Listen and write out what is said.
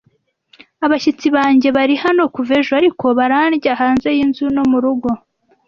Abashyitsi banjye bari hano kuva ejo, ariko barandya hanze yinzu no murugo.